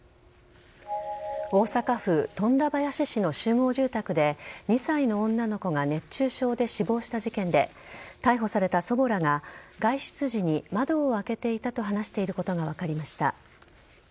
大阪府富田林市の集合住宅で２歳の女の子が熱中症で死亡した事件で逮捕された祖母らが、外出時に窓を開けていたと話していることが分かりました。